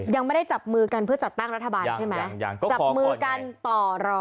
ยังไม่ได้จับมือกันเพื่อจัดตั้งรัฐบาลใช่ไหมจับมือกันต่อรอ